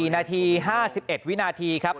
๔นาที๕๑วินาทีครับ